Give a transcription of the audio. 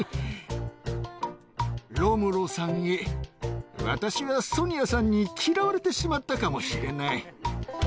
ロムロさんへ、私はソニアさんに嫌われてしまったかもしれない。